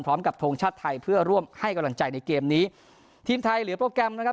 ทงชาติไทยเพื่อร่วมให้กำลังใจในเกมนี้ทีมไทยเหลือโปรแกรมนะครับ